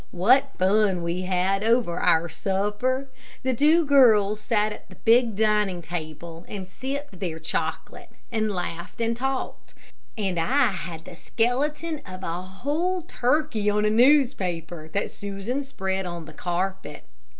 What fun we had over our supper! The two girls sat at the big dining table, and sipped their chocolate, and laughed and talked, and I had the skeleton of a whole turkey on a newspaper that Susan spread on the carpet.